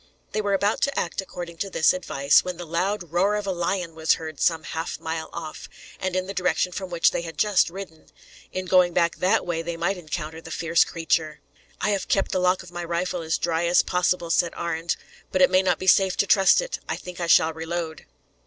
They were about to act according to this advice, when the loud roar of a lion was heard some half mile off, and in the direction from which they had just ridden. In going back that way they might encounter the fierce creature. "I have kept the lock of my rifle as dry as possible," said Arend, "but it may not be safe to trust it. I think I shall reload."